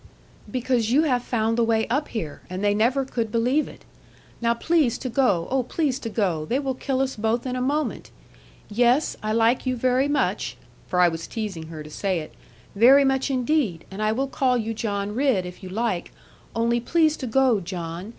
'Because you have found the way up here, and they never could believe it. Now, please to go; oh, please to go. They will kill us both in a moment. Yes, I like you very much' for I was teasing her to say it 'very much indeed, and I will call you John Ridd, if you like; only please to go, John.